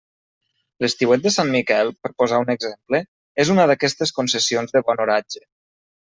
L'estiuet de Sant Miquel, per posar un exemple, és una d'aquestes concessions de bon oratge.